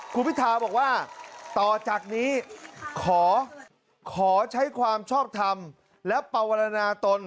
คุณพิทาบอกว่าต่อจากนี้ขอใช้ความชอบทำและปวรณาตน